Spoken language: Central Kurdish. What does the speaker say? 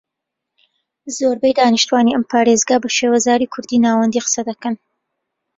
زۆربەی دانیشتوانی ئەم پارێزگا بە شێوەزاری کوردیی ناوەندی قسە دەکەن